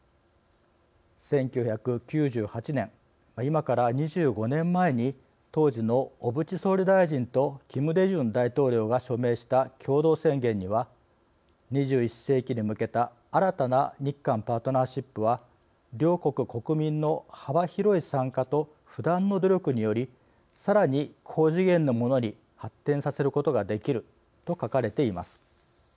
１９９８年、今から２５年前に当時の小渕総理大臣とキム・デジュン大統領が署名した共同宣言には「２１世紀に向けた新たな日韓パートナーシップは両国国民の幅広い参加と不断の努力によりさらに高次元のものに発展させることができる」と書かれています。